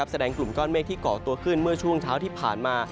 แสดงกลุ่มก้อนเมฆที่เกาะตัวขึ้นเมื่อช่วงเช้าที่ผ่านมา